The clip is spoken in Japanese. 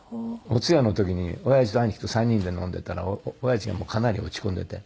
お通夜の時に親父と兄貴と３人で飲んでいたら親父がかなり落ち込んでて。